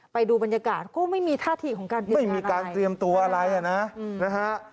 ไปดูบรรยากาศก็ไม่มีท่าที่ของการเตรียมตัวอะไรไม่มีการเตรียมตัวอะไรอ่ะนะอืมนะฮะ